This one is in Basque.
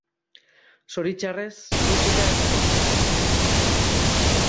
Zoritxarrez, musika ez da kontserbatu.